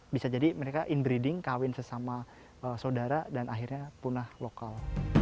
bisa jadi mereka inbreeding kawin sesama saudara dan akhirnya punah lokal